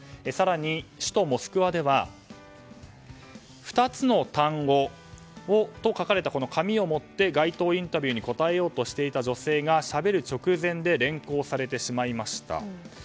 更に首都モスクワでは２つの単語を書かれた紙を持って街頭インタビューに答えようとしていた女性がしゃべる直前で連行されてしまいました。